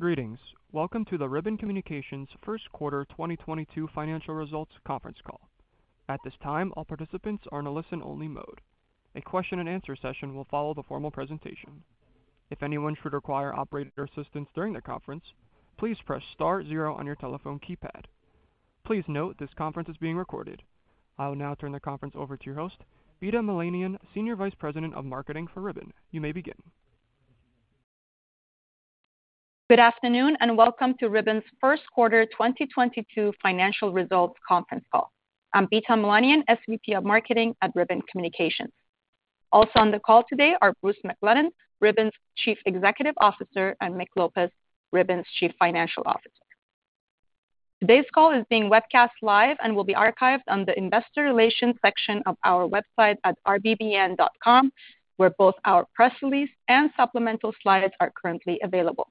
Greetings. Welcome to the Ribbon Communications First Quarter 2022 Financial Results Conference Call. At this time, all participants are in a listen-only mode. A question-and-answer session will follow the formal presentation. If anyone should require operator assistance during the conference, please press star zero on your telephone keypad. Please note this conference is being recorded. I will now turn the conference over to your host, Bita Milanian, Senior Vice President of Global Marketing for Ribbon. You may begin. Good afternoon, and welcome to Ribbon's first quarter 2022 financial results conference call. I'm Bita Milanian, SVP of Marketing at Ribbon Communications. Also on the call today are Bruce McClelland, Ribbon's Chief Executive Officer, and Mick Lopez, Ribbon's Chief Financial Officer. Today's call is being webcast live and will be archived on the investor relations section of our website at rbbn.com, where both our press release and supplemental slides are currently available.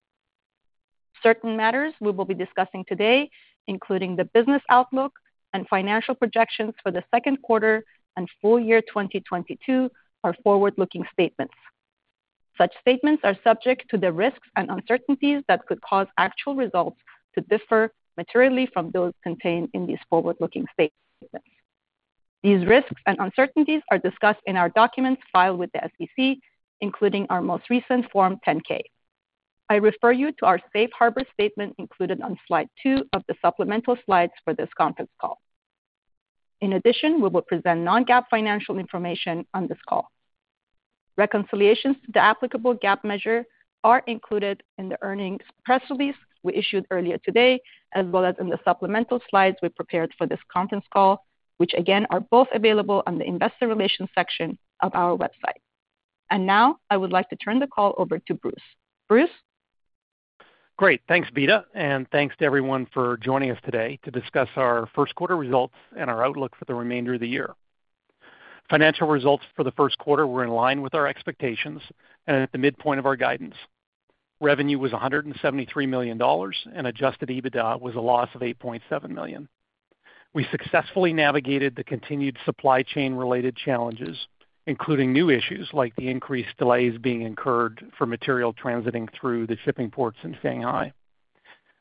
Certain matters we will be discussing today, including the business outlook and financial projections for the second quarter and full year 2022, are forward-looking statements. Such statements are subject to the risks and uncertainties that could cause actual results to differ materially from those contained in these forward-looking statements. These risks and uncertainties are discussed in our documents filed with the SEC, including our most recent Form 10-K. I refer you to our safe harbor statement included on slide two of the supplemental slides for this conference call. In addition, we will present non-GAAP financial information on this call. Reconciliations to the applicable GAAP measure are included in the earnings press release we issued earlier today, as well as in the supplemental slides we prepared for this conference call, which again are both available on the investor relations section of our website. Now, I would like to turn the call over to Bruce. Bruce? Great. Thanks, Bita, and thanks to everyone for joining us today to discuss our first quarter results and our outlook for the remainder of the year. Financial results for the first quarter were in line with our expectations and at the midpoint of our guidance. Revenue was $173 million, and adjusted EBITDA was a loss of $8.7 million. We successfully navigated the continued supply chain-related challenges, including new issues like the increased delays being incurred for material transiting through the shipping ports in Shanghai.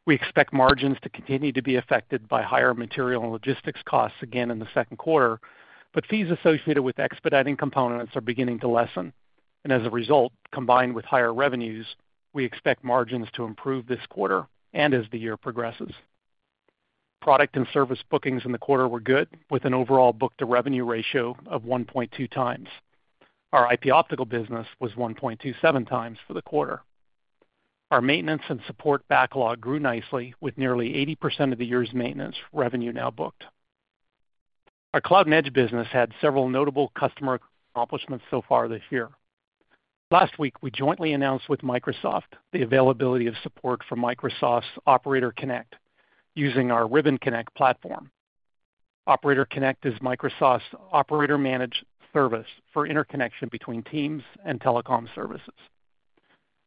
We expect margins to continue to be affected by higher material and logistics costs again in the second quarter, but fees associated with expediting components are beginning to lessen. As a result, combined with higher revenues, we expect margins to improve this quarter and as the year progresses. Product and service bookings in the quarter were good, with an overall book-to-bill ratio of 1.2x. Our IP Optical business was 1.27x for the quarter. Our maintenance and support backlog grew nicely, with nearly 80% of the year's maintenance revenue now booked. Our Cloud and Edge business had several notable customer accomplishments so far this year. Last week, we jointly announced with Microsoft the availability of support for Microsoft's Operator Connect using our Ribbon Connect platform. Operator Connect is Microsoft's operator-managed service for interconnection between Teams and telecom services.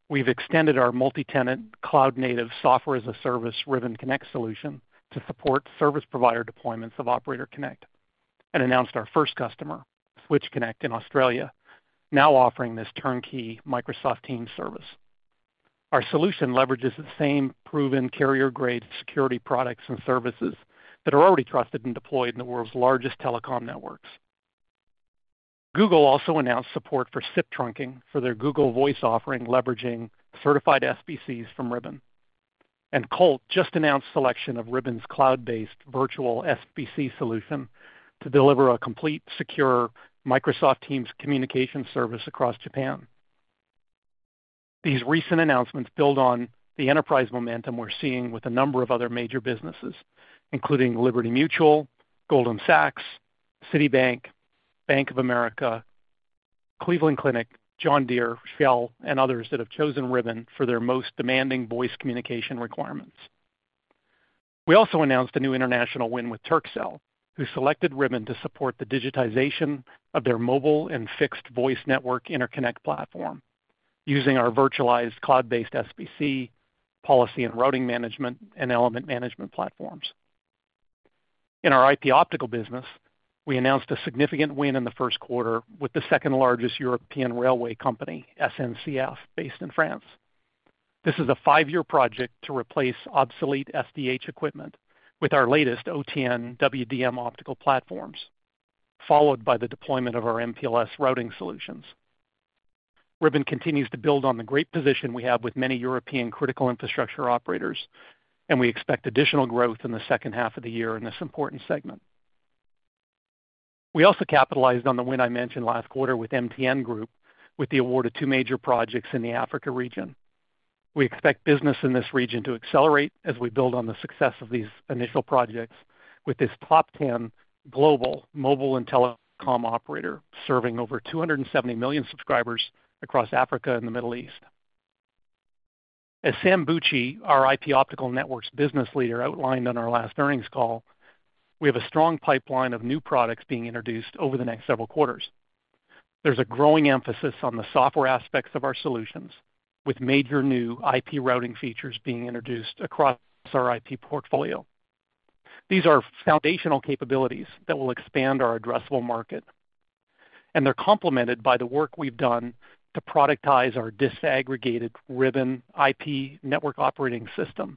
We've extended our multi-tenant cloud-native software-as-a-service Ribbon Connect solution to support service provider deployments of Operator Connect and announced our first customer, Switch Connect in Australia, now offering this turnkey Microsoft Teams service. Our solution leverages the same proven carrier-grade security products and services that are already trusted and deployed in the world's largest telecom networks. Google also announced support for SIP trunking for their Google Voice offering, leveraging certified SBCs from Ribbon. Colt just announced selection of Ribbon's cloud-based virtual SBC solution to deliver a complete, secure Microsoft Teams communication service across Japan. These recent announcements build on the enterprise momentum we're seeing with a number of other major businesses, including Liberty Mutual, Goldman Sachs, Citibank, Bank of America, Cleveland Clinic, John Deere, Shell, and others that have chosen Ribbon for their most demanding voice communication requirements. We also announced a new international win with Turkcell, who selected Ribbon to support the digitization of their mobile and fixed voice network interconnect platform using our virtualized cloud-based SBC, policy and routing management, and element management platforms. In our IP Optical business, we announced a significant win in the first quarter with the second-largest European railway company, SNCF, based in France. This is a five-year project to replace obsolete SDH equipment with our latest OTN WDM optical platforms, followed by the deployment of our MPLS routing solutions. Ribbon continues to build on the great position we have with many European critical infrastructure operators, and we expect additional growth in the second half of the year in this important segment. We also capitalized on the win I mentioned last quarter with MTN Group with the award of 2 major projects in the Africa region. We expect business in this region to accelerate as we build on the success of these initial projects with this top 10 global mobile and telecom operator serving over 270 million subscribers across Africa and the Middle East. As Sam Bucci, our IP Optical Networks business leader, outlined on our last earnings call, we have a strong pipeline of new products being introduced over the next several quarters. There's a growing emphasis on the software aspects of our solutions, with major new IP routing features being introduced across our IP portfolio. These are foundational capabilities that will expand our addressable market. They're complemented by the work we've done to productize our disaggregated Ribbon IP network operating system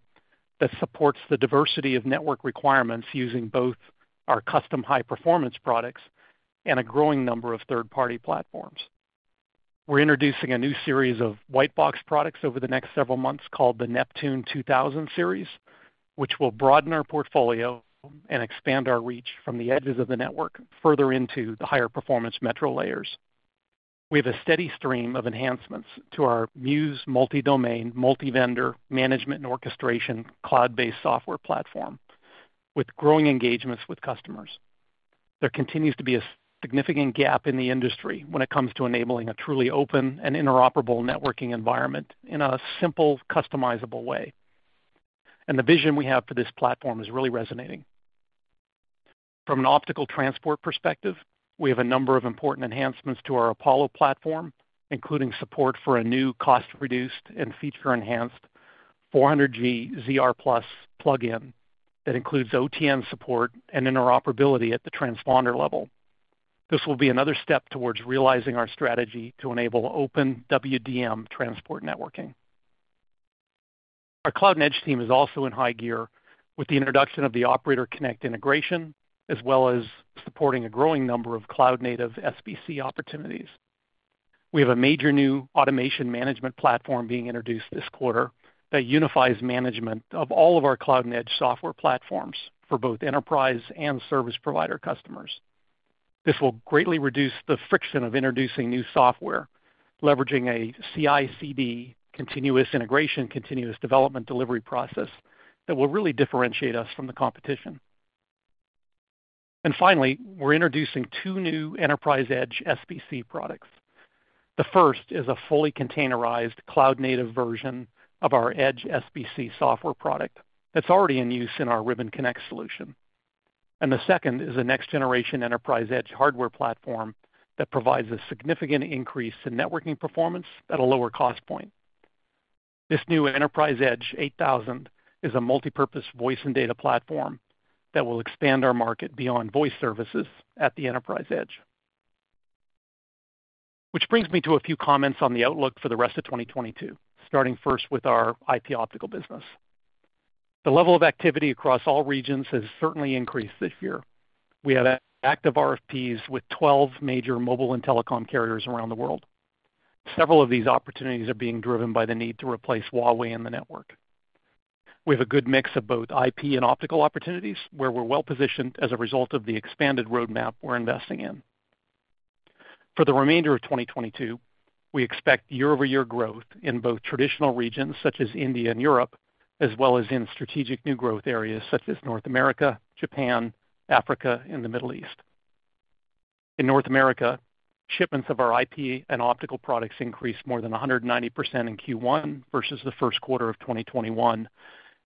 that supports the diversity of network requirements using both our custom high-performance products and a growing number of third-party platforms. We're introducing a new series of white box products over the next several months called the Neptune 2000 series, which will broaden our portfolio and expand our reach from the edges of the network further into the higher performance metro layers. We have a steady stream of enhancements to our Muse multi-domain, multi-vendor management and orchestration cloud-based software platform with growing engagements with customers. There continues to be a significant gap in the industry when it comes to enabling a truly open and interoperable networking environment in a simple, customizable way. The vision we have for this platform is really resonating. From an optical transport perspective, we have a number of important enhancements to our Apollo platform, including support for a new cost-reduced and feature-enhanced 400G ZR+ plugin that includes OTN support and interoperability at the transponder level. This will be another step towards realizing our strategy to enable open WDM transport networking. Our Cloud and Edge team is also in high gear with the introduction of the Operator Connect integration, as well as supporting a growing number of cloud-native SBC opportunities. We have a major new automation management platform being introduced this quarter that unifies management of all of our cloud and edge software platforms for both enterprise and service provider customers. This will greatly reduce the friction of introducing new software, leveraging a CI/CD, continuous integration, continuous development delivery process that will really differentiate us from the competition. Finally, we're introducing two new enterprise edge SBC products. The first is a fully containerized cloud-native version of our edge SBC software product that's already in use in our Ribbon Connect solution. The second is a next-generation enterprise edge hardware platform that provides a significant increase in networking performance at a lower cost point. This new Enterprise Edge 8000 is a multipurpose voice and data platform that will expand our market beyond voice services at the enterprise edge. Which brings me to a few comments on the outlook for the rest of 2022, starting first with our IP Optical business. The level of activity across all regions has certainly increased this year. We have active RFPs with twelve major mobile and telecom carriers around the world. Several of these opportunities are being driven by the need to replace Huawei in the network. We have a good mix of both IP and optical opportunities, where we're well-positioned as a result of the expanded roadmap we're investing in. For the remainder of 2022, we expect year-over-year growth in both traditional regions such as India and Europe, as well as in strategic new growth areas such as North America, Japan, Africa, and the Middle East. In North America, shipments of our IP Optical products increased more than 190% in Q1 versus the first quarter of 2021,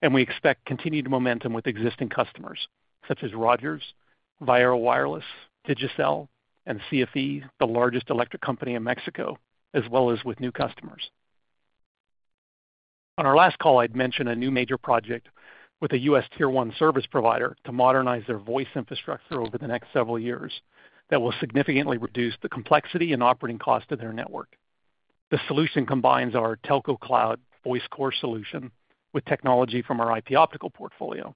and we expect continued momentum with existing customers such as Rogers, Viaero Wireless, Digicel, and CFE, the largest electric company in Mexico, as well as with new customers. On our last call, I'd mentioned a new major project with a US tier one service provider to modernize their voice infrastructure over the next several years that will significantly reduce the complexity and operating cost of their network. The solution combines our Cloud Voice Core solution with technology from our IP Optical portfolio.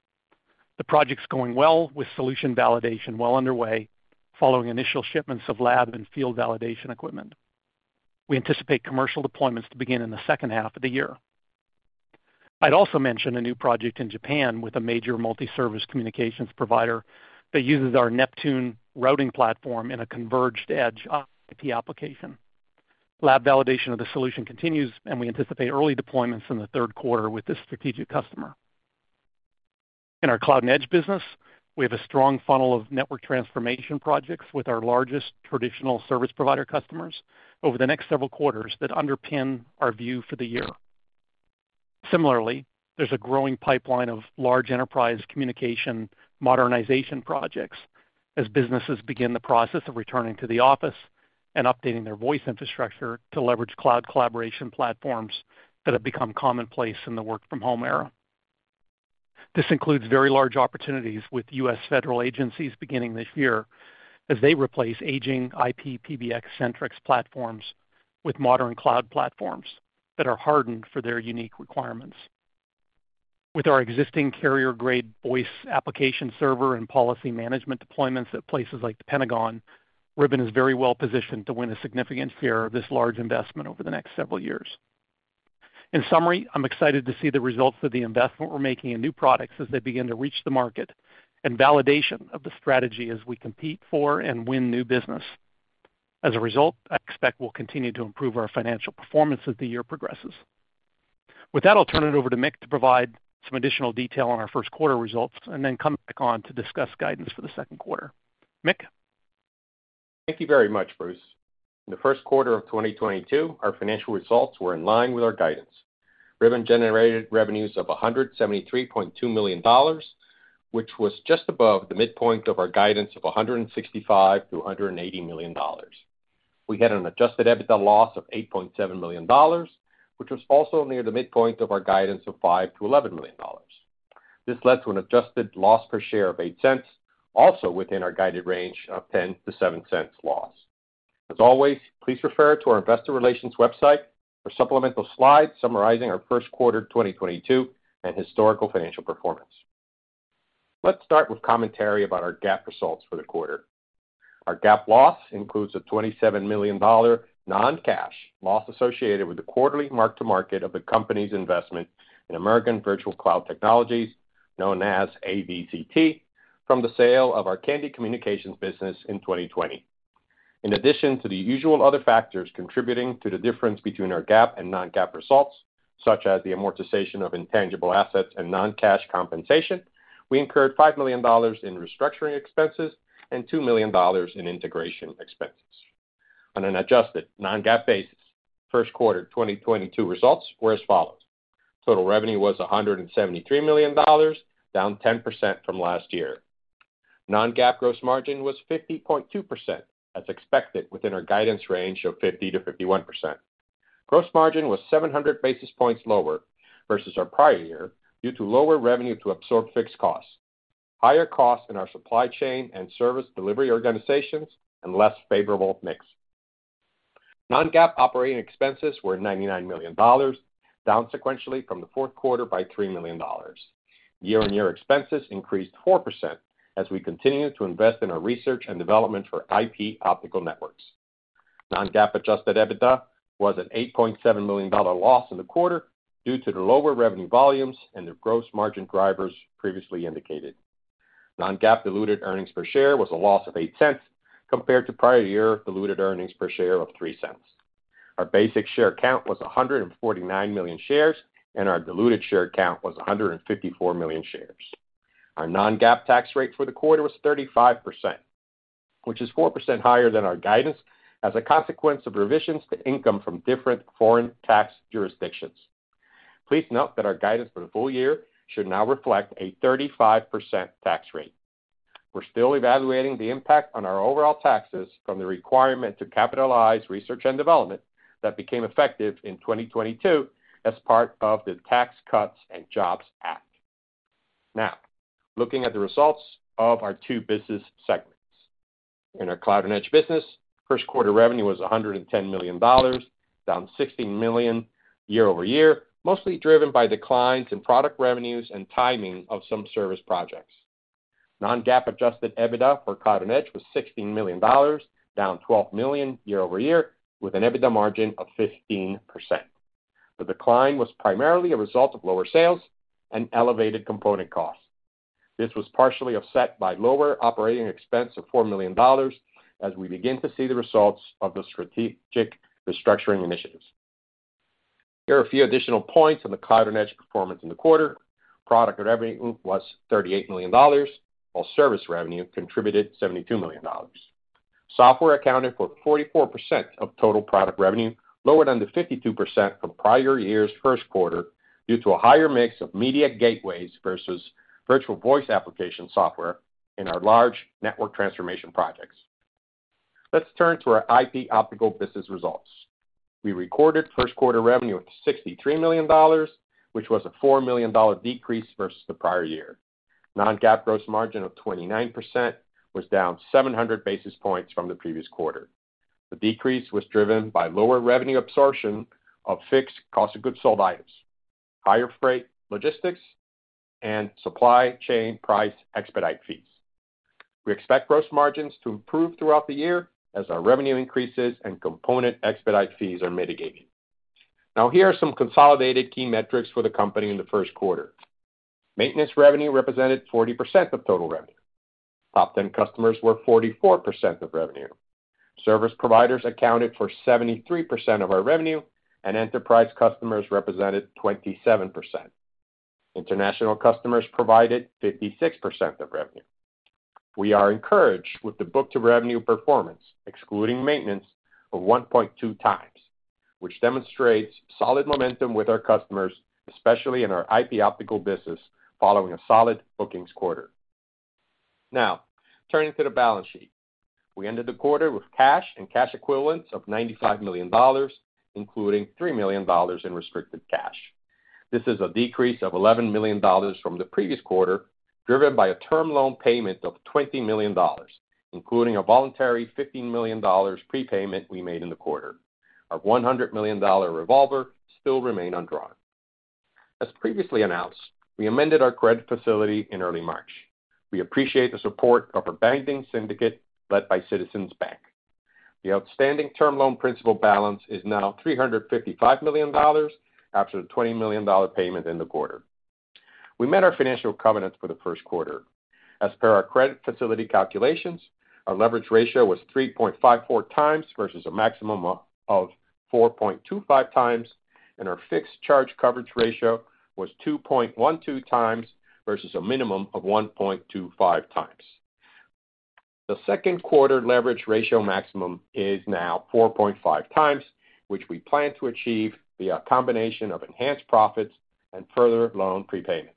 The project's going well with solution validation well underway following initial shipments of lab and field validation equipment. We anticipate commercial deployments to begin in the second half of the year. I'd also mention a new project in Japan with a major multi-service communications provider that uses our Neptune routing platform in a converged edge IP application. Lab validation of the solution continues, and we anticipate early deployments in the third quarter with this strategic customer. In our Cloud and Edge business, we have a strong funnel of network transformation projects with our largest traditional service provider customers over the next several quarters that underpin our view for the year. Similarly, there's a growing pipeline of large enterprise communication modernization projects as businesses begin the process of returning to the office and updating their voice infrastructure to leverage cloud collaboration platforms that have become commonplace in the work-from-home era. This includes very large opportunities with U.S. federal agencies beginning this year as they replace aging IP-PBX-centric platforms with modern cloud platforms that are hardened for their unique requirements. With our existing carrier-grade voice application server and policy management deployments at places like the Pentagon, Ribbon is very well positioned to win a significant share of this large investment over the next several years. In summary, I'm excited to see the results of the investment we're making in new products as they begin to reach the market and validation of the strategy as we compete for and win new business. As a result, I expect we'll continue to improve our financial performance as the year progresses. With that, I'll turn it over to Mick to provide some additional detail on our first quarter results and then come back on to discuss guidance for the second quarter. Mick? Thank you very much, Bruce. In the first quarter of 2022, our financial results were in line with our guidance. Ribbon generated revenues of $173.2 million, which was just above the midpoint of our guidance of $165-$180 million. We had an adjusted EBITDA loss of $8.7 million, which was also near the midpoint of our guidance of $5-$11 million. This led to an adjusted loss per share of $0.08, also within our guided range of $0.10-$0.07 loss. As always, please refer to our investor relations website for supplemental slides summarizing our first quarter 2022 and historical financial performance. Let's start with commentary about our GAAP results for the quarter. Our GAAP loss includes a $27 million non-cash loss associated with the quarterly mark-to-market of the company's investment in American Virtual Cloud Technologies, known as AVCT, from the sale of our Kandy Communications business in 2020. In addition to the usual other factors contributing to the difference between our GAAP and non-GAAP results, such as the amortization of intangible assets and non-cash compensation, we incurred $5 million in restructuring expenses and $2 million in integration expenses. On an adjusted non-GAAP basis, first quarter 2022 results were as follows. Total revenue was $173 million, down 10% from last year. Non-GAAP gross margin was 50.2%, as expected within our guidance range of 50%-51%. Gross margin was 700 basis points lower versus our prior year due to lower revenue to absorb fixed costs, higher costs in our supply chain and service delivery organizations, and less favorable mix. Non-GAAP operating expenses were $99 million, down sequentially from the fourth quarter by $3 million. Year-on-year expenses increased 4% as we continue to invest in our research and development for IP Optical networks. Non-GAAP adjusted EBITDA was an $8.7 million loss in the quarter due to the lower revenue volumes and the gross margin drivers previously indicated. Non-GAAP diluted earnings per share was a loss of $0.08 compared to prior year diluted earnings per share of $0.03. Our basic share count was 149 million shares, and our diluted share count was 154 million shares. Our Non-GAAP tax rate for the quarter was 35%, which is 4% higher than our guidance as a consequence of revisions to income from different foreign tax jurisdictions. Please note that our guidance for the full year should now reflect a 35% tax rate. We're still evaluating the impact on our overall taxes from the requirement to capitalize research and development that became effective in 2022 as part of the Tax Cuts and Jobs Act. Now, looking at the results of our two business segments. In our cloud and edge business, first quarter revenue was $110 million, down $16 million year-over-year, mostly driven by declines in product revenues and timing of some service projects. Non-GAAP adjusted EBITDA for cloud and edge was $16 million, down $12 million year-over-year, with an EBITDA margin of 15%. The decline was primarily a result of lower sales and elevated component costs. This was partially offset by lower operating expense of $4 million as we begin to see the results of the strategic restructuring initiatives. Here are a few additional points on the Cloud and Edge performance in the quarter. Product revenue was $38 million, while service revenue contributed $72 million. Software accounted for 44% of total product revenue, lower than the 52% from prior year's first quarter due to a higher mix of media gateways versus virtual voice application software in our large network transformation projects. Let's turn to our IP Optical business results. We recorded first quarter revenue of $63 million, which was a $4 million decrease versus the prior year. non-GAAP gross margin of 29% was down 700 basis points from the previous quarter. The decrease was driven by lower revenue absorption of fixed cost of goods sold items, higher freight logistics, and supply chain price expedite fees. We expect gross margins to improve throughout the year as our revenue increases and component expedite fees are mitigating. Now, here are some consolidated key metrics for the company in the first quarter. Maintenance revenue represented 40% of total revenue. Top 10 customers were 44% of revenue. Service providers accounted for 73% of our revenue, and enterprise customers represented 27%. International customers provided 56% of revenue. We are encouraged with the book-to-bill performance, excluding maintenance, of 1.2 times, which demonstrates solid momentum with our customers, especially in our IP Optical business, following a solid bookings quarter. Now, turning to the balance sheet. We ended the quarter with cash and cash equivalents of $95 million, including $3 million in restricted cash. This is a decrease of $11 million from the previous quarter, driven by a term loan payment of $20 million, including a voluntary $15 million prepayment we made in the quarter. Our $100 million revolver still remain undrawn. As previously announced, we amended our credit facility in early March. We appreciate the support of our banking syndicate led by Citizens Bank. The outstanding term loan principal balance is now $355 million after the $20 million payment in the quarter. We met our financial covenants for the first quarter. As per our credit facility calculations, our leverage ratio was 3.54 times versus a maximum of four point two five times, and our fixed charge coverage ratio was 2.12 times versus a minimum of 1.25 times. The second quarter leverage ratio maximum is now 4.5 times, which we plan to achieve via a combination of enhanced profits and further loan prepayments.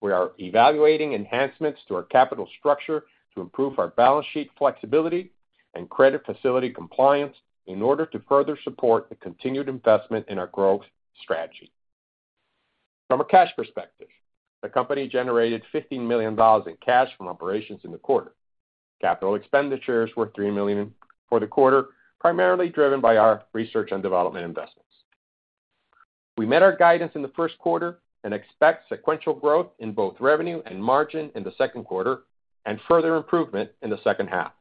We are evaluating enhancements to our capital structure to improve our balance sheet flexibility and credit facility compliance in order to further support the continued investment in our growth strategy. From a cash perspective, the company generated $15 million in cash from operations in the quarter. Capital expenditures were $3 million for the quarter, primarily driven by our research and development investments. We met our guidance in the first quarter and expect sequential growth in both revenue and margin in the second quarter and further improvement in the second half.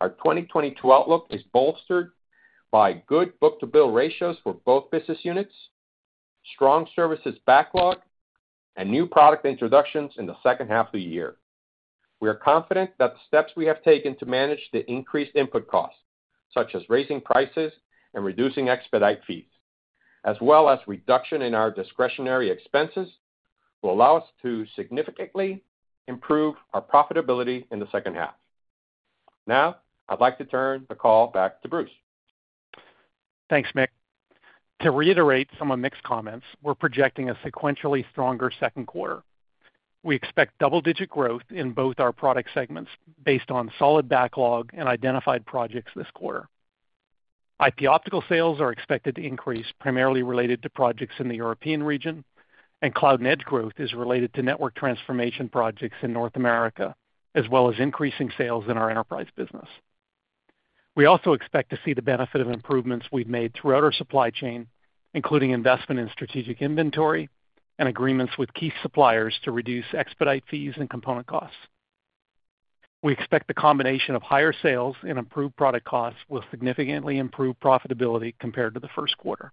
Our 2022 outlook is bolstered by good book-to-bill ratios for both business units, strong services backlog, and new product introductions in the second half of the year. We are confident that the steps we have taken to manage the increased input costs, such as raising prices and reducing expedite fees, as well as reduction in our discretionary expenses, will allow us to significantly improve our profitability in the second half. Now I'd like to turn the call back to Bruce. Thanks, Mick. To reiterate some of Mick's comments, we're projecting a sequentially stronger second quarter. We expect double-digit growth in both our product segments based on solid backlog and identified projects this quarter. IP Optical sales are expected to increase primarily related to projects in the European region, and Cloud and Edge growth is related to network transformation projects in North America, as well as increasing sales in our enterprise business. We also expect to see the benefit of improvements we've made throughout our supply chain, including investment in strategic inventory and agreements with key suppliers to reduce expedite fees and component costs. We expect the combination of higher sales and improved product costs will significantly improve profitability compared to the first quarter.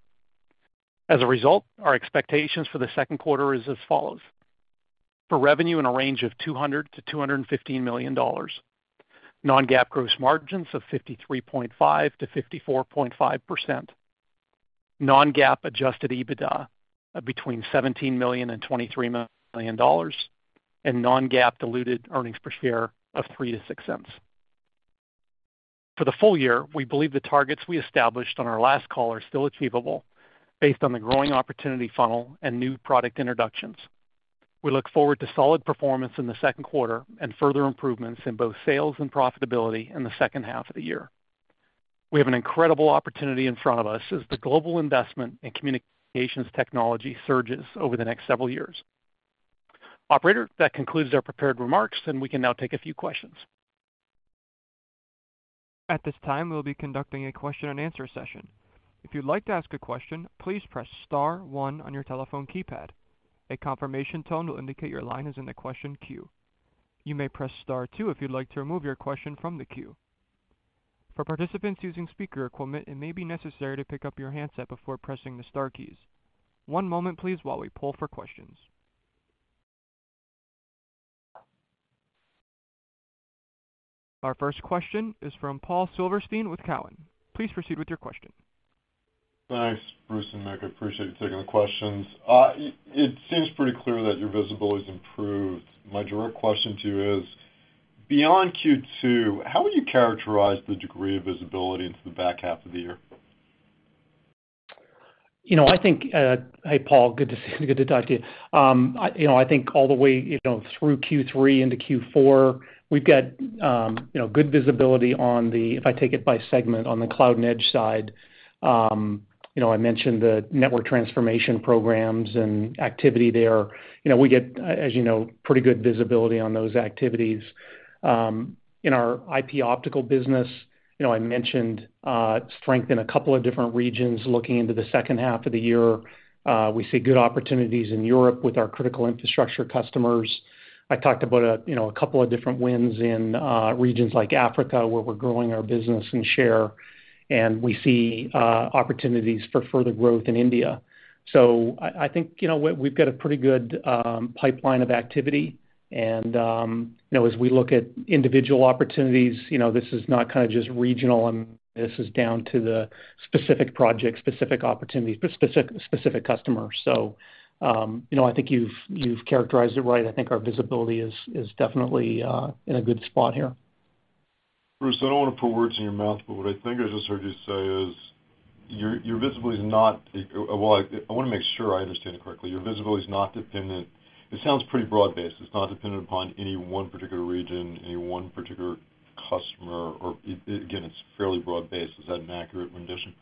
As a result, our expectations for the second quarter is as follows. For revenue in a range of $200 million-$215 million, non-GAAP gross margins of 53.5%-54.5%, non-GAAP adjusted EBITDA of between $17 million and $23 million, and non-GAAP diluted earnings per share of $0.03-$0.06. For the full year, we believe the targets we established on our last call are still achievable based on the growing opportunity funnel and new product introductions. We look forward to solid performance in the second quarter and further improvements in both sales and profitability in the second half of the year. We have an incredible opportunity in front of us as the global investment in communications technology surges over the next several years. Operator, that concludes our prepared remarks, and we can now take a few questions. At this time, we'll be conducting a question-and-answer session. If you'd like to ask a question, please press star one on your telephone keypad. A confirmation tone will indicate your line is in the question queue. You may press star two if you'd like to remove your question from the queue. For participants using speaker equipment, it may be necessary to pick up your handset before pressing the star keys. One moment please while we poll for questions. Our first question is from Paul Silverstein with Cowen. Please proceed with your question. Thanks, Bruce and Mick. I appreciate you taking the questions. It seems pretty clear that your visibility's improved. My direct question to you is: Beyond Q2, how would you characterize the degree of visibility into the back half of the year? You know, I think, Hey, Paul, good to see you, good to talk to you. You know, I think all the way, you know, through Q3 into Q4, we've got, you know, good visibility on the, if I take it by segment, on the Cloud and Edge side. You know, I mentioned the network transformation programs and activity there. You know, we get, as you know, pretty good visibility on those activities. In our IP Optical business, you know, I mentioned, strength in a couple of different regions looking into the second half of the year. We see good opportunities in Europe with our critical infrastructure customers. I talked about, you know, a couple of different wins in, regions like Africa, where we're growing our business and share, and we see, opportunities for further growth in India. I think, you know, we've got a pretty good pipeline of activity and, you know, as we look at individual opportunities, you know, this is not kind of just regional, and this is down to the specific projects, specific opportunities, specific customers. You know, I think you've characterized it right. I think our visibility is definitely in a good spot here. Bruce, I don't want to put words in your mouth, but what I think I just heard you say is your visibility is not. Well, I wanna make sure I understand it correctly. Your visibility is not dependent. It sounds pretty broad-based. It's not dependent upon any one particular region, any one particular customer, or again, it's fairly broad-based. Is that an accurate rendition?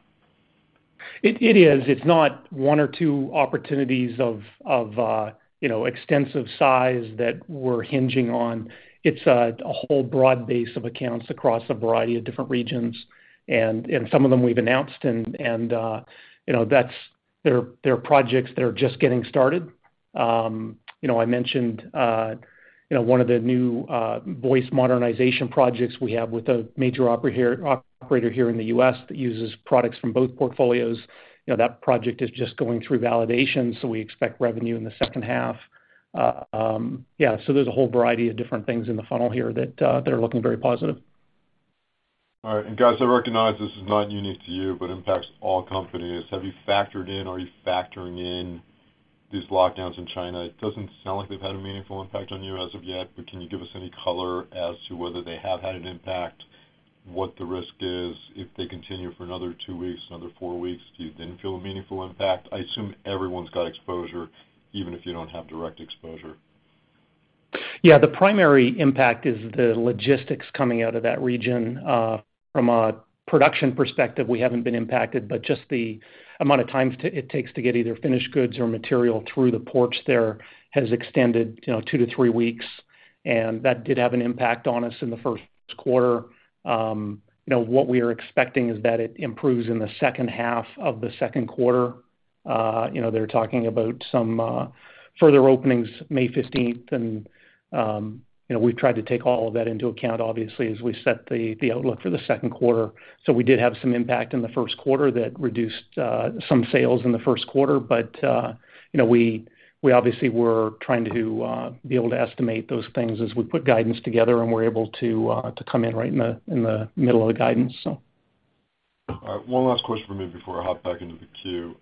It is. It's not one or two opportunities, you know, of extensive size that we're hinging on. It's a whole broad base of accounts across a variety of different regions. Some of them we've announced, you know, they're projects that are just getting started. You know, I mentioned one of the new voice modernization projects we have with a major operator here in the U.S. that uses products from both portfolios. You know, that project is just going through validation, so we expect revenue in the second half. There's a whole variety of different things in the funnel here that are looking very positive. All right. Guys, I recognize this is not unique to you, but impacts all companies. Have you factored in, are you factoring in these lockdowns in China? It doesn't sound like they've had a meaningful impact on you as of yet, but can you give us any color as to whether they have had an impact? What the risk is if they continue for another two weeks, another four weeks? Do you then feel a meaningful impact? I assume everyone's got exposure, even if you don't have direct exposure. Yeah, the primary impact is the logistics coming out of that region. From a production perspective, we haven't been impacted, but just the amount of time it takes to get either finished goods or material through the ports there has extended, you know, 2to3 weeks, and that did have an impact on us in the first quarter. What we are expecting is that it improves in the second half of the second quarter. They're talking about some further openings May fifteenth, and we've tried to take all of that into account, obviously, as we set the outlook for the second quarter. We did have some impact in the first quarter that reduced some sales in the first quarter. You know, we obviously were trying to be able to estimate those things as we put guidance together, and we're able to come in right in the middle of the guidance. All right, one last question for me before I hop back into the queue.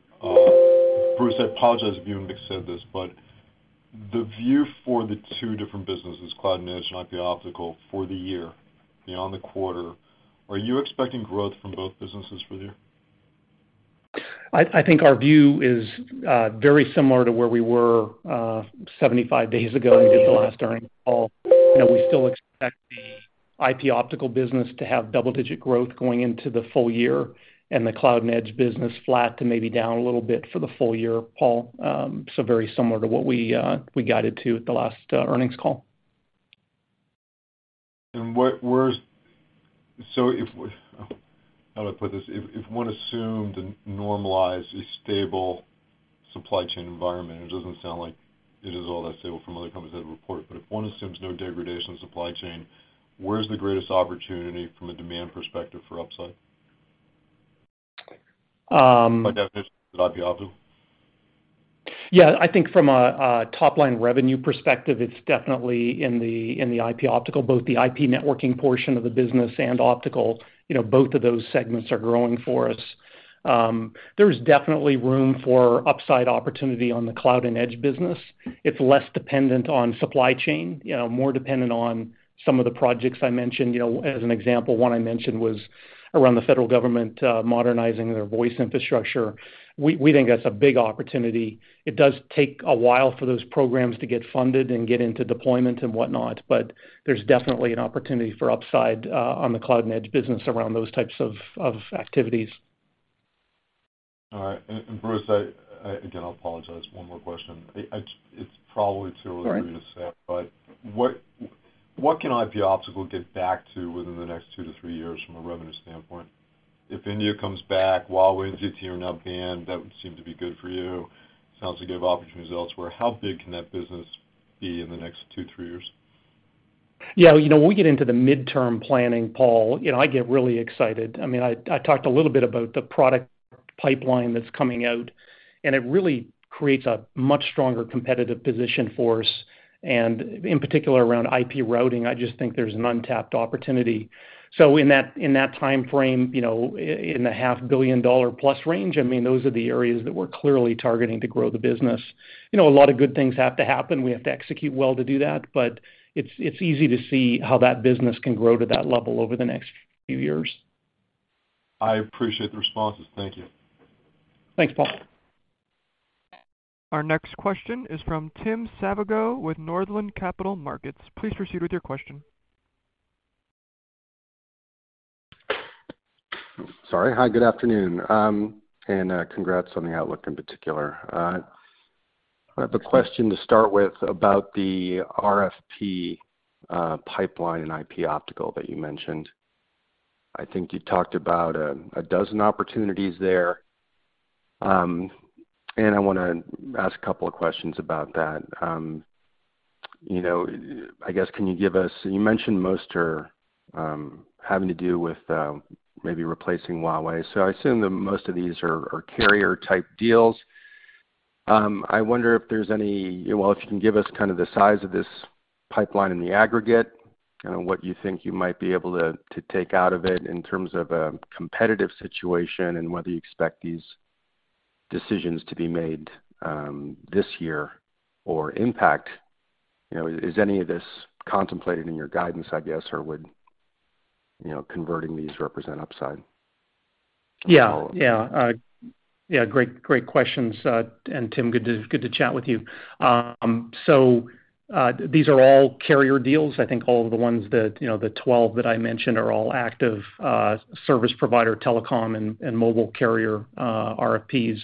Bruce, I apologize if you already said this, but the view for the two different businesses, Cloud and Edge and IP Optical for the year beyond the quarter, are you expecting growth from both businesses for the year? I think our view is very similar to where we were 75 days ago when we did the last earnings call. You know, we still expect the IP Optical business to have double-digit growth going into the full year, and the Cloud and Edge business flat to maybe down a little bit for the full year, Paul. Very similar to what we guided to at the last earnings call. How do I put this? If one assumed and normalized a stable supply chain environment, it doesn't sound like it is all that stable from other companies that have reported. If one assumes no degradation in supply chain, where is the greatest opportunity from a demand perspective for upside? Um- By definition, is it IP Optical? Yeah. I think from a top-line revenue perspective, it's definitely in the IP Optical, both the IP networking portion of the business and Optical. You know, both of those segments are growing for us. There's definitely room for upside opportunity on the Cloud and Edge business. It's less dependent on supply chain, you know, more dependent on some of the projects I mentioned. You know, as an example, one I mentioned was around the federal government modernizing their voice infrastructure. We think that's a big opportunity. It does take a while for those programs to get funded and get into deployment and whatnot, but there's definitely an opportunity for upside on the Cloud and Edge business around those types of activities. All right. Bruce, again, I apologize, one more question. It's probably too early. Sure. For me to say, but what can IP Optical get back to within the next 2 to3 years from a revenue standpoint? If India comes back, Huawei and ZTE are now banned, that would seem to be good for you. Sounds like you have opportunities elsewhere. How big can that business be in the next 2-3 years? Yeah. You know, when we get into the midterm planning, Paul, you know, I get really excited. I mean, I talked a little bit about the product pipeline that's coming out, and it really creates a much stronger competitive position for us, and in particular around IP routing. I just think there's an untapped opportunity. In that timeframe, you know, in the half billion dollar plus range, I mean, those are the areas that we're clearly targeting to grow the business. You know, a lot of good things have to happen. We have to execute well to do that, but it's easy to see how that business can grow to that level over the next few years. I appreciate the responses. Thank you. Thanks, Paul. Our next question is from Tim Savageaux with Northland Capital Markets. Please proceed with your question. Sorry. Hi, good afternoon. Congrats on the outlook in particular. I have a question to start with about the RFP pipeline in IP Optical that you mentioned. I think you talked about a dozen opportunities there. I wanna ask a couple of questions about that. You know, you mentioned most are having to do with maybe replacing Huawei. I assume that most of these are carrier type deals. Well, if you can give us kind of the size of this pipeline in the aggregate, what you think you might be able to take out of it in terms of a competitive situation and whether you expect these decisions to be made this year or impact. You know, is any of this contemplated in your guidance, I guess? Or would, you know, converting these represent upside? Great questions. Tim, good to chat with you. These are all carrier deals. I think all of the ones that, you know, the twelve that I mentioned are all active, service provider telecom and mobile carrier, RFPs.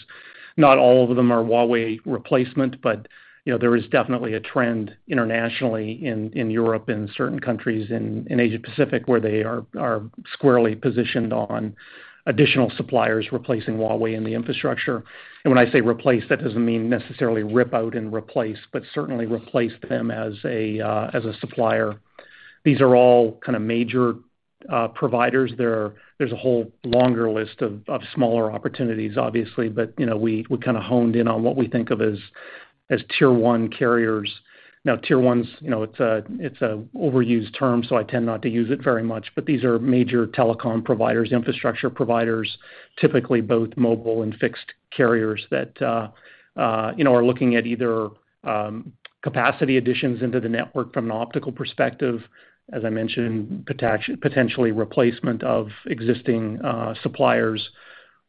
Not all of them are Huawei replacement, but, you know, there is definitely a trend internationally in Europe, in certain countries in Asia-Pacific, where they are squarely positioned on additional suppliers replacing Huawei in the infrastructure. When I say replace, that doesn't mean necessarily rip out and replace, but certainly replace them as a supplier. These are all kinda major providers. There's a whole longer list of smaller opportunities, obviously, but, you know, we kinda honed in on what we think of as tier one carriers. Now, Tier one's, you know, it's an overused term, so I tend not to use it very much. These are major telecom providers, infrastructure providers, typically both mobile and fixed carriers that you know are looking at either capacity additions into the network from an optical perspective, as I mentioned, potentially replacement of existing suppliers,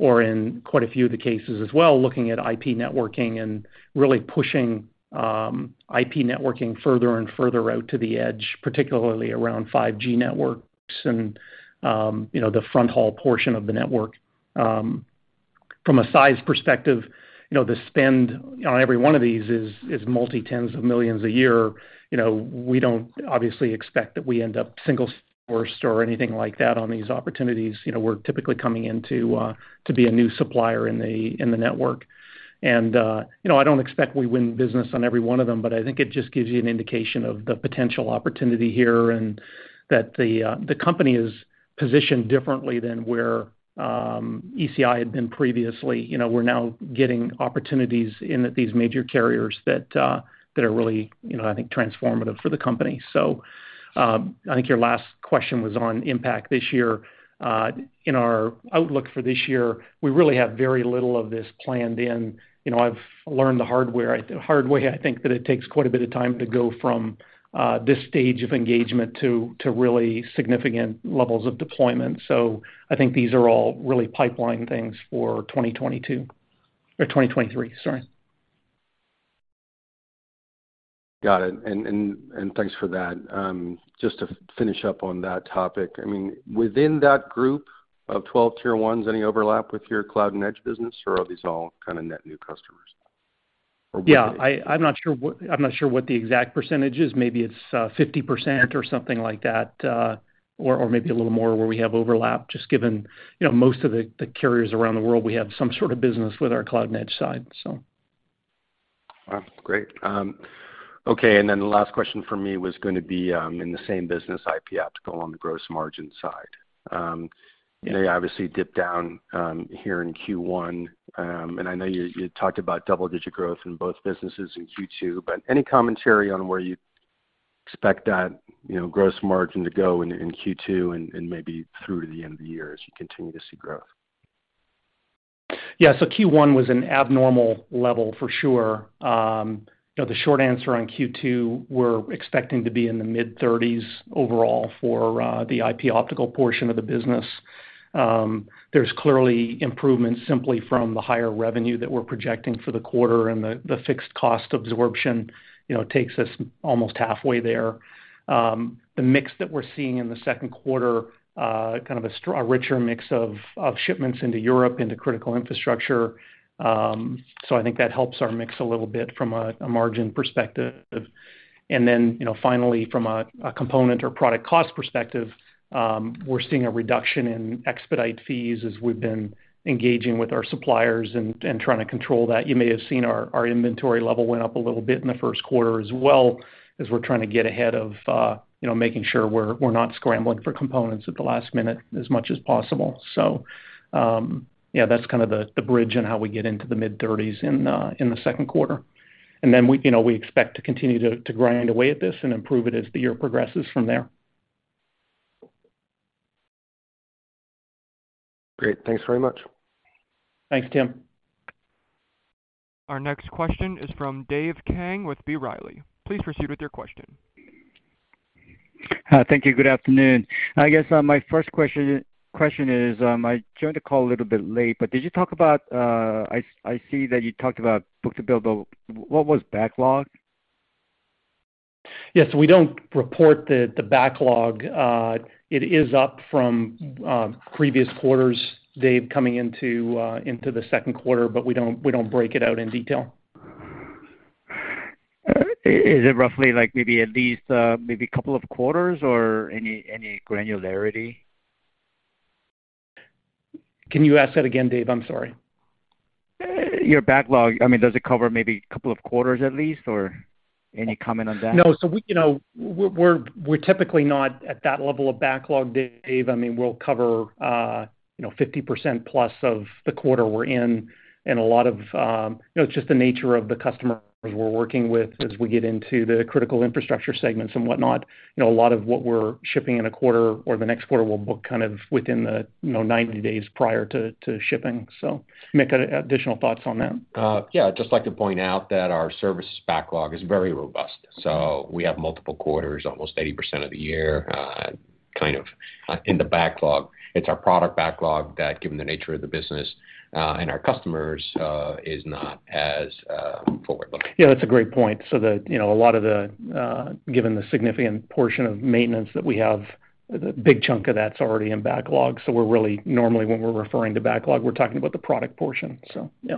or in quite a few of the cases as well, looking at IP networking and really pushing IP networking further and further out to the edge, particularly around 5G networks and you know the fronthaul portion of the network. From a size perspective, you know, the spend on every one of these is $multi tens of millions a year. You know, we don't obviously expect that we end up single sourced or anything like that on these opportunities. You know, we're typically coming into a new supplier in the network. You know, I don't expect we win business on every one of them, but I think it just gives you an indication of the potential opportunity here and that the company is positioned differently than where ECI had been previously. You know, we're now getting opportunities in that these major carriers that are really transformative for the company. I think your last question was on impact this year. In our outlook for this year, we really have very little of this planned in. You know, I've learned the hard way, I think, that it takes quite a bit of time to go from this stage of engagement to really significant levels of deployment. I think these are all really pipeline things for 2022. Or 2023, sorry. Got it. Thanks for that. Just to finish up on that topic. I mean, within that group of twelve tier ones, any overlap with your Cloud and Edge business, or are these all kinda net new customers? I'm not sure what the exact percentage is. Maybe it's 50% or something like that, or maybe a little more where we have overlap. Just given, you know, most of the carriers around the world, we have some sort of business with our Cloud and Edge side, so. Wow. Great. Okay. Then the last question from me was gonna be, in the same business IP Optical on the gross margin side. They obviously dipped down here in Q1. I know you talked about double-digit growth in both businesses in Q2, but any commentary on where you expect that, you know, gross margin to go in Q2 and maybe through to the end of the year as you continue to see growth? Yeah. Q1 was an abnormal level for sure. You know, the short answer on Q2, we're expecting to be in the mid-30s% overall for the IP Optical portion of the business. There's clearly improvements simply from the higher revenue that we're projecting for the quarter and the fixed cost absorption, you know, takes us almost halfway there. The mix that we're seeing in the second quarter, kind of a richer mix of shipments into Europe, into critical infrastructure. I think that helps our mix a little bit from a margin perspective. You know, finally from a component or product cost perspective, we're seeing a reduction in expedite fees as we've been engaging with our suppliers and trying to control that. You may have seen our inventory level went up a little bit in the first quarter as well as we're trying to get ahead of, you know, making sure we're not scrambling for components at the last minute as much as possible. Yeah, that's kind of the bridge on how we get into the mid-thirties in the second quarter. Then we, you know, expect to continue to grind away at this and improve it as the year progresses from there. Great. Thanks very much. Thanks, Tim. Our next question is from Dave Kang with B. Riley. Please proceed with your question. Hi. Thank you. Good afternoon. I guess my first question is, I joined the call a little bit late, but did you talk about, I see that you talked about book-to-bill, but what was backlog? Yes. We don't report the backlog. It is up from previous quarters, Dave, coming into the second quarter, but we don't break it out in detail. Is it roughly like maybe at least maybe couple of quarters or any granularity? Can you ask that again, Dave? I'm sorry. Your backlog, I mean, does it cover maybe couple of quarters at least, or any comment on that? No. We, you know, we're typically not at that level of backlog, Dave. I mean, we'll cover, you know, 50% plus of the quarter we're in and a lot of. You know, it's just the nature of the customers we're working with as we get into the critical infrastructure segments and whatnot. You know, a lot of what we're shipping in a quarter or the next quarter will book kind of within the, you know, 90 days prior to shipping. Mick, additional thoughts on that? Yeah, just like to point out that our service backlog is very robust. We have multiple quarters, almost 80% of the year, in the backlog. It's our product backlog that, given the nature of the business, and our customers, is not as forward-looking. Yeah, that's a great point. You know, given the significant portion of maintenance that we have, the big chunk of that's already in backlog. Normally, when we're referring to backlog, we're talking about the product portion. Yeah.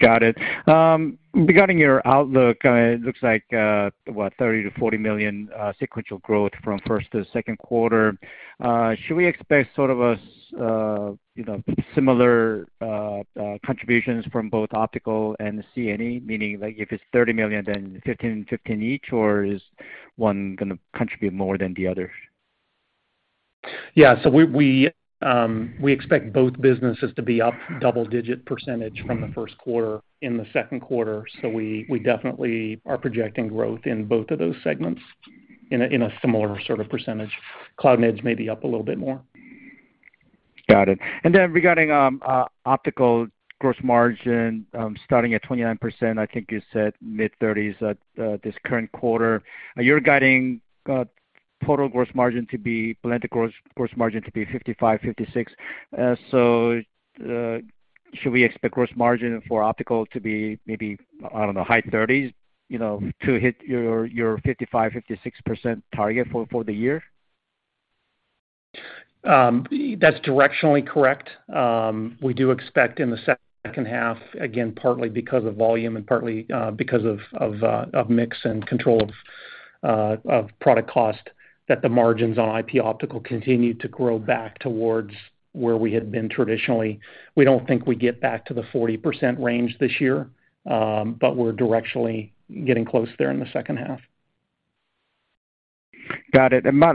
Got it. Regarding your outlook, it looks like what, $30 million-$40 million sequential growth from first to second quarter. Should we expect sort of a similar contributions from both optical and the CNE, meaning, like, if it's $30 million, then 15 each, or is one gonna contribute more than the other? Yeah. We expect both businesses to be up double-digit% from the first quarter in the second quarter. We definitely are projecting growth in both of those segments in a similar sort of %. Cloud and Edge may be up a little bit more. Got it. Regarding optical gross margin starting at 29%, I think you said mid-30s% at this current quarter. You're guiding total gross margin to be blended gross margin to be 55-56%. Should we expect gross margin for optical to be maybe, I don't know, high 30s%, you know, to hit your 55-56% target for the year? That's directionally correct. We do expect in the second half, again, partly because of volume and partly because of mix and control of product cost, that the margins on IP Optical continue to grow back towards where we had been traditionally. We don't think we get back to the 40% range this year, but we're directionally getting close there in the second half. Got it. My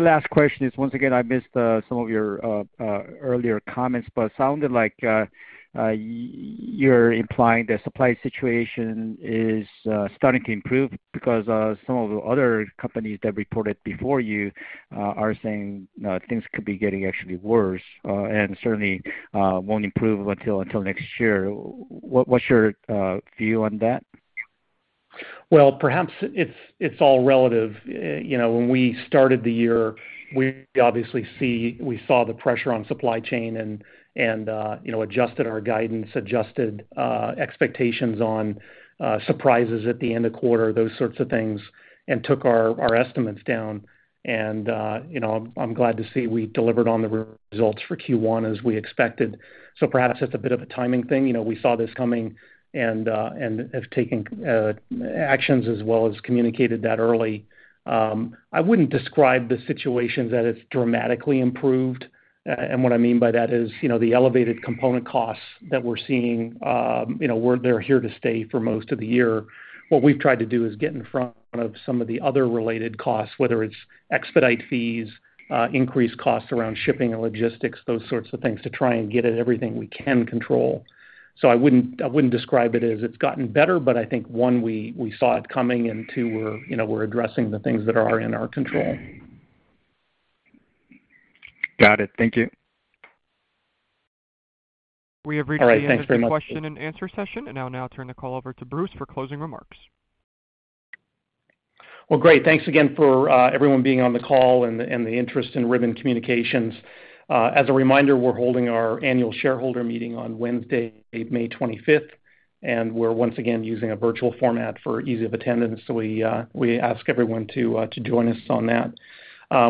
last question is, once again, I missed some of your earlier comments, but sounded like you're implying the supply situation is starting to improve because some of the other companies that reported before you are saying things could be getting actually worse and certainly won't improve until next year. What's your view on that? Well, perhaps it's all relative. You know, when we started the year, we obviously saw the pressure on supply chain and, you know, adjusted our guidance, expectations on surprises at the end of quarter, those sorts of things, and took our estimates down. You know, I'm glad to see we delivered on the results for Q1 as we expected. Perhaps it's a bit of a timing thing. You know, we saw this coming and have taken actions as well as communicated that early. I wouldn't describe the situation that it's dramatically improved. What I mean by that is, you know, the elevated component costs that we're seeing, they're here to stay for most of the year. What we've tried to do is get in front of some of the other related costs, whether it's expedite fees, increased costs around shipping and logistics, those sorts of things, to try and get at everything we can control. I wouldn't describe it as it's gotten better, but I think, one, we saw it coming, and two, we're, you know, addressing the things that are in our control. Got it. Thank you. We have reached the end of the question and answer session. I'll now turn the call over to Bruce for closing remarks. Well, great. Thanks again for everyone being on the call and the interest in Ribbon Communications. As a reminder, we're holding our annual shareholder meeting on Wednesday, May 25, and we're once again using a virtual format for ease of attendance. We ask everyone to join us on that.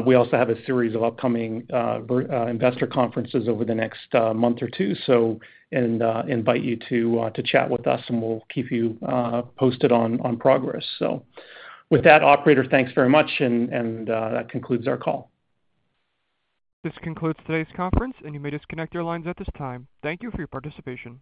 We also have a series of upcoming virtual investor conferences over the next month or two, and invite you to chat with us, and we'll keep you posted on progress. With that, operator, thanks very much, and that concludes our call. This concludes today's conference, and you may disconnect your lines at this time. Thank you for your participation.